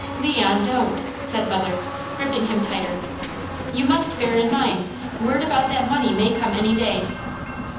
"Leon, don't," said mother, gripping him tighter. "You must bear in mind, word about that money may come any day."